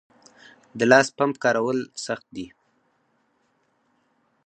د لاس پمپ کارول سخت دي؟